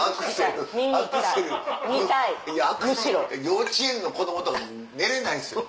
幼稚園の子供とか寝れないですよ